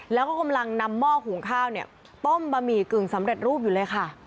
แล้วก็กำลังนำหม้อหุงข้าวเนี่ยต้มบะหมี่กึ่งสำเร็จรูปอยู่เลยค่ะ